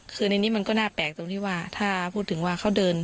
คือในนี้มันก็น่าแปลกตรงที่ว่าถ้าพูดถึงว่าเขาเดิน